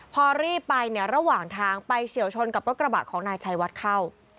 พอรีบไปเนี่ยระหว่างทางไปเฉียวชนกับรถกระบะของนายชัยวัดเข้า